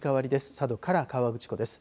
佐渡から河口湖です。